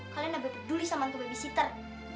kalian ga peduli sama tua babysitter